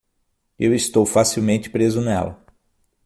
Eu estou facilmente preso nela.